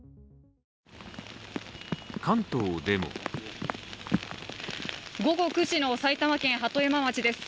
関東でも午後９時の埼玉県鳩山町です。